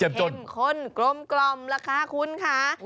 เข้มข้นกลมล่ะค่ะคุณค่ะ